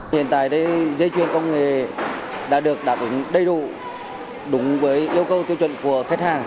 hiện tại đây dây chuyền công nghệ đã được đáp ứng đầy đủ đúng với yêu cầu tiêu chuẩn của khách hàng